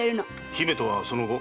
姫とはその後？